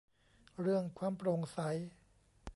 เรื่องความโปร่งใส